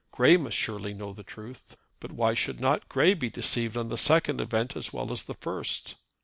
Grey must surely know the truth. But why should not Grey be deceived on the second event as well as the first.